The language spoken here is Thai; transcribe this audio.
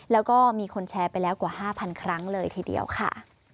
แล้วก็มีคนแชร์ไปแล้วกว่า๕๐๐ครั้งเลยทีเดียวค่ะ